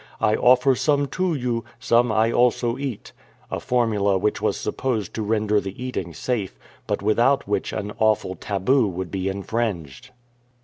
I offer some to you ; some I also eat *"— a formula which was supposed to render the eating safe, but without which an awful tahu would be infringed.